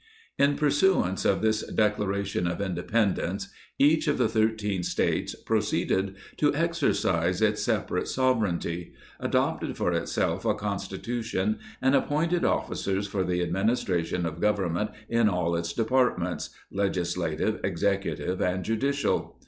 In pursuance of this Declaration of Independence, each of the thirteen States proceeded to exercise its separate sovereignty; adopted for itself a Constitution, and appoint ed officers for the administration of government in all its departments — Legislative, Executive and Judicial.